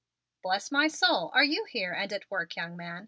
"Bless my soul, are you here and at work, young man?